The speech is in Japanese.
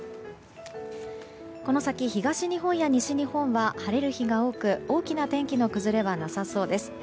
この先、東日本や西日本は晴れる日が多く大きな天気の崩れはなさそうです。